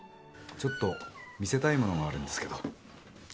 ちょっと見せたい物があるんですけど。